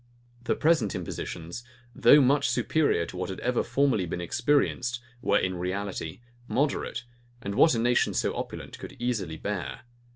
The present impositions, though much superior to what had ever formerly been experienced, were in reality moderate, and what a nation so opulent could easily bear.